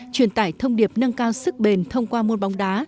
truyền tải thông điệp nâng cao sức bền thông qua môn bóng đá